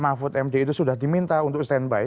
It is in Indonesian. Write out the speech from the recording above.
mahfud md itu sudah diminta untuk standby